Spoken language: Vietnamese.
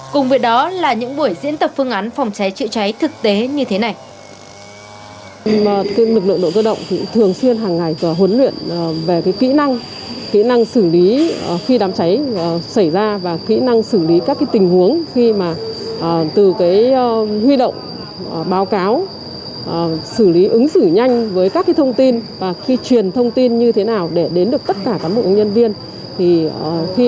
cùng với đó là những buổi diễn tập phương án phòng cháy chữa cháy thực tế như thế này